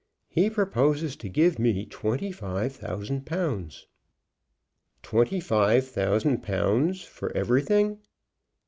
He proposes to give me twenty five thousand pounds." "Twenty five thousand pounds! for everything?"